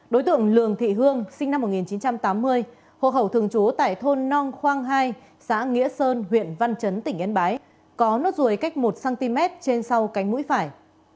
đối tượng lường thị hương sinh năm một nghìn chín trăm tám mươi hộ khẩu thường trú tại thôn nong khoang hai xã nghĩa sơn huyện văn chấn tỉnh yên bái có nốt ruồi cách một cm trên sau cánh mũi phải